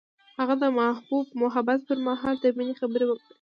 هغه د محبوب محبت پر مهال د مینې خبرې وکړې.